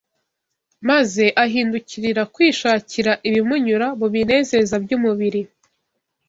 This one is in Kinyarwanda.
maze ahindukirira kwishakira ibimunyura mu binezeza by’umubiri